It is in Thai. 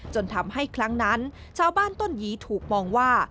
จนทำให้ครั้งนั้นชาวบ้านต้นหยีถูกมองว่า